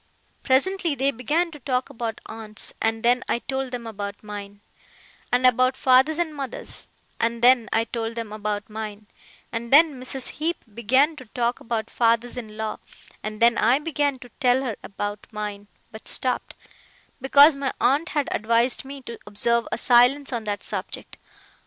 Presently they began to talk about aunts, and then I told them about mine; and about fathers and mothers, and then I told them about mine; and then Mrs. Heep began to talk about fathers in law, and then I began to tell her about mine but stopped, because my aunt had advised me to observe a silence on that subject.